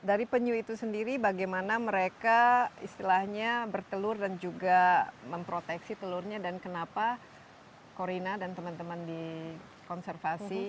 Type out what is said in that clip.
dari penyu itu sendiri bagaimana mereka istilahnya bertelur dan juga memproteksi telurnya dan kenapa korina dan teman teman dikonservasi